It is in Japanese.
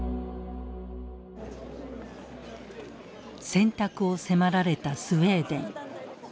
選択を迫られたスウェーデン。